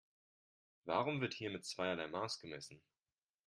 Warum wird hier mit zweierlei Maß gemessen?